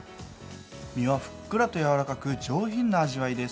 身はふっくらと柔らかく、上品な味わいです。